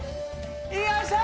よいしょ！